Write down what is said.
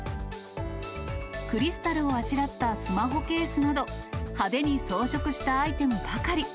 クリスタルをあしらったスマホケースなど、派手に装飾したアイテムばかり。